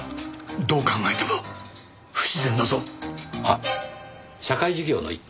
どう考えても不自然だぞあっ社会事業の一環？